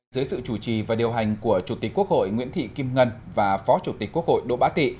dưới sự chủ trì và điều hành của chủ tịch quốc hội nguyễn thị kim ngân và phó chủ tịch quốc hội đỗ bá tị